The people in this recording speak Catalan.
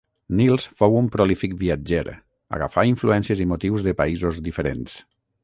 Nils fou un prolífic viatger; agafà influències i motius de països diferents.